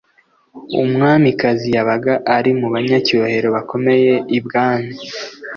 Umwamikazi yabaga ari mu banyacyubahiro bakomeye I Bwami,